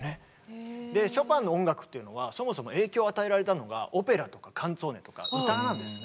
ショパンの音楽っていうのはそもそも影響を与えられたのがオペラとかカンツォーネとか歌なんですね。